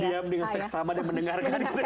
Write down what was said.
diam dengan seks sama dan mendengarkan